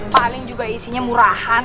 paling juga isinya murahan